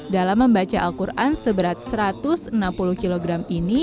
dalam membaca al quran seberat satu ratus enam puluh kg ini